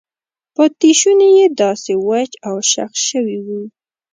پاتې شونې یې داسې وچ او شخ شوي وو.